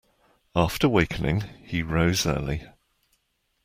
After wakening, he rose early.